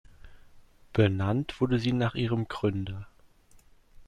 Benannt wurde sie nach ihrem Gründer.